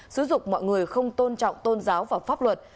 sử dụng mọi người không tôn trọng tôn giáo và pháp luật